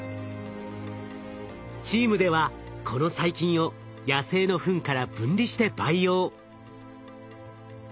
チームではこの細菌を野生のフンから分離して培養。